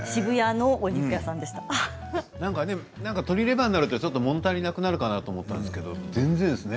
鶏レバーになるともの足りなくなるかなと思ったんですけど全然ですね。